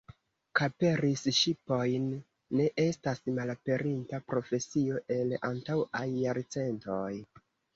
Kaperi ŝipojn ne estas malaperinta profesio el antaŭaj jarcentoj.